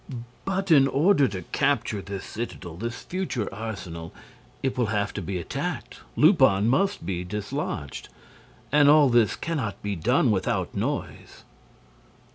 "But, in order to capture this citadel, this future arsenal, it will have to be attacked, Lupin must be dislodged. And all this cannot be done without noise."